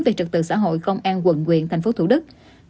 về trật tự xã hội công an quận nguyện tp hcm